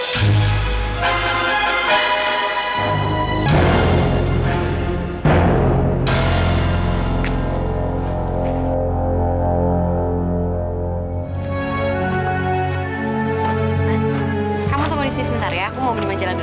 kamu tunggu disini sebentar ya aku mau pergi majalah dulu